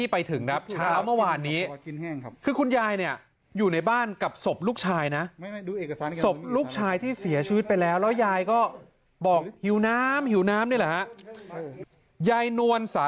เพราะอะไรเพราะลูกชายให้กินน้ำป่า